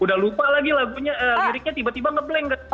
udah lupa lagi lagunya liriknya tiba tiba ngeblank